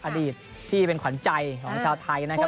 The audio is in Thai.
อดีตที่เป็นขวัญใจของชาวไทยนะครับ